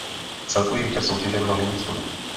Celkový vítěz soutěže měl nejvíc bodů.